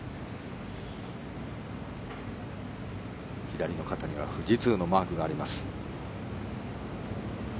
左の肩には富士通のマークがあります。